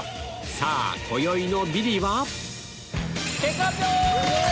さぁ今宵のビリは？